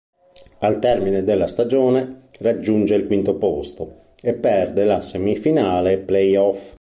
Al termine della stagione raggiunge il quinto posto e perde la semifinale play-off.